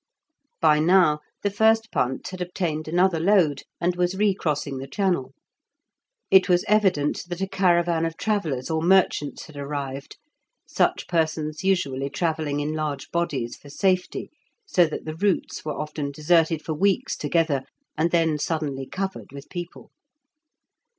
By now, the first punt had obtained another load, and was re crossing the channel. It was evident that a caravan of travellers or merchants had arrived, such persons usually travelling in large bodies for safety, so that the routes were often deserted for weeks together, and then suddenly covered with people.